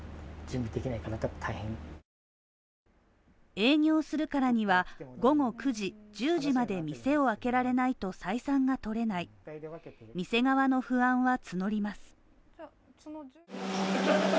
営業するからには午後９時、１０時まで店を開けられないと採算が取れない店側の不安は募ります